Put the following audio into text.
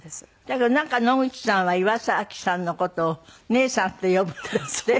だけどなんか野口さんは岩崎さんの事を「ねえさん」って呼ぶんですって？